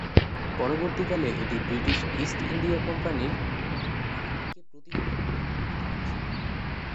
পরবর্তীকালে, এটি British East India কোম্পানির বাহিনীকে প্রতিহত করতে ব্যবহৃত হয়েছিল।